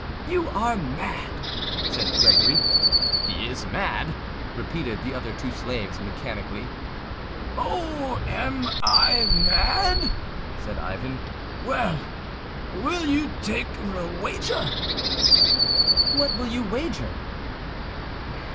"You are mad!" said Gregory. "He is mad!" repeated the other two slaves mechanically. "Oh, I am mad?" said Ivan. "Well, will you take a wager?" "What will you wager?"